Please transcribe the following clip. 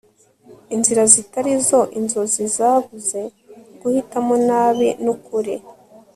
inzira zitari zo, inzozi zabuze, guhitamo nabi, nukuri